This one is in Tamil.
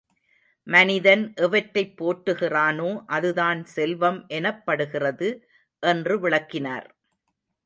மனிதன் எவற்றைப் போற்றுகிறானோ அதுதான் செல்வம் எனப்படுகிறது என்று விளக்கினார்.